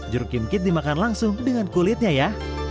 jeruk kimkit dimakan langsung dengan kulitnya ya